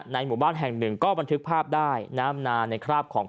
หมู่บ้านแห่งหนึ่งก็บันทึกภาพได้น้ำนานในคราบของ